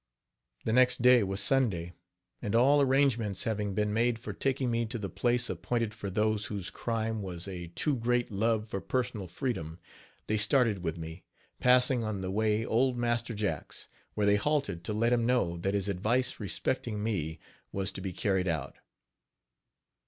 The next day was Sunday, and all arrangements having been made for taking me to the place appointed for those whose crime was a too great love for personal freedom, they started with me, passing on the way Old Master Jack's, where they halted to let him know that his advice respecting me was to be carried out.